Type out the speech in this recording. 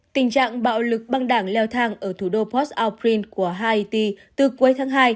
tình trạng bạo lực băng đảng leo thang ở thủ đô port oprin của haiti từ cuối tháng hai